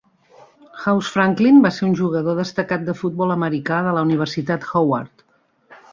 House Franklin va ser un jugador destacat de futbol americà de la Universitat Howard.